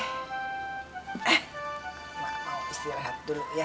mbak mau istirahat dulu ya